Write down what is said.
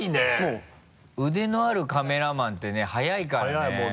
腕のあるカメラマンってね早いからね。